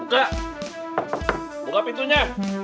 buka buka pintunya